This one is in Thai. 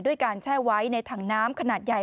ด้วยการแช่ไว้ในถังน้ำขนาดใหญ่